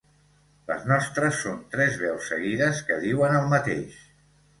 Les nostres són tres veus seguides que diuen el mateix.